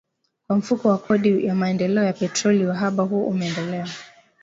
kwa Mfuko wa Kodi ya Maendeleo ya Petroli uhaba huo umeendelea